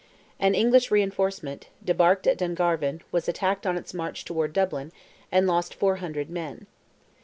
An English reinforcement, debarked at Dungarvan, was attacked on its march towards Dublin, and lost 400 men.